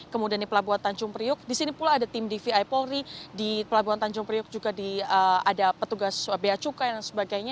kemudian di pelabuhan tanjung priuk di sini pula ada tim dvi polri di pelabuhan tanjung priuk juga ada petugas beacukai dan sebagainya